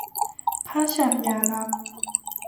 พระฉายาลักษณ์